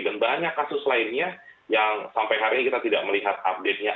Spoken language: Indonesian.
dan banyak kasus lainnya yang sampai hari ini kita tidak melihat update nya